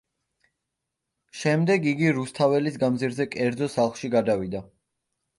შემდეგ იგი რუსთაველის გამზირზე კერძო სახლში გადავიდა.